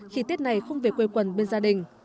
khi tiết này không về quê quần bên gia đình